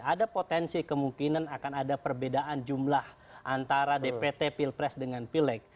ada potensi kemungkinan akan ada perbedaan jumlah antara dpt pilpres dengan pileg